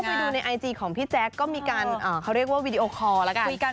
ก็เข้าคุยดูในไอจีของพี่แจ๊กก็มีการเขาเรียกว่าวิดีโอคอร์ละกัน